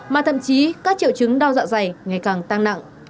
mà thậm chí các triệu chứng đau dạ dày ngày càng tăng nặng